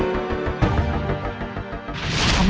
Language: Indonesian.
aku harus jaga perasaan ibu